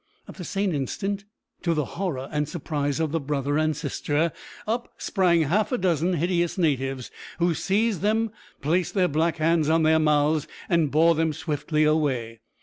At the same instant, to the horror and surprise of the brother and sister, up sprang half a dozen hideous natives, who seized them, placed their black hands on their mouths, and bore them swiftly away.